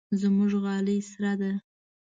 زموږ غالۍ سره ده.